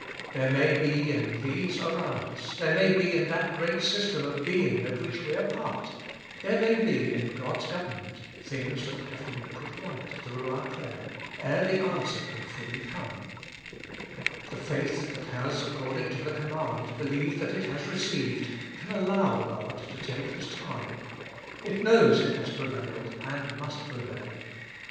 There may be in these around us, there may be in that great system of being of which we are part, there may be in God's govern ment, things that have to be put right through our prayer, ere the answer can fully come : the faith that has, according to the command, believed that it has received, can allow God to take His time ; it knows it has prevailed and must prevail.